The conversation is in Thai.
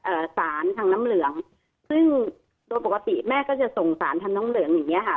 สารทางน้ำเหลืองซึ่งโดยปกติแม่ก็จะส่งสารทางน้องเหลืองอย่างเงี้ค่ะ